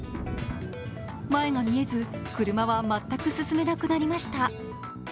前が見えず、車は全く進めなくなりました。